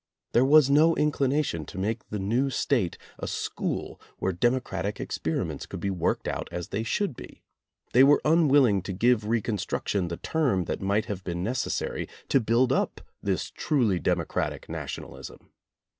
There was no inclination to make the new State a school where democratic experiments could be worked out as they should be. They were unwilling to give reconstruction the term that might have been necessary to build up this truly democratic nationalism.